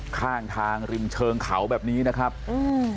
ข้างทางริมเชิงเขาแบบนี้นะครับอืม